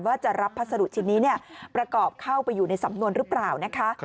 ว่าจะรับพัสดุชิ้นนี้ประกอบเข้าไปอยู่ในสำนวนหรือเปล่านะคะ